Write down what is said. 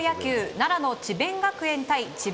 奈良の智弁学園対智弁